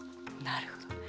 なるほど。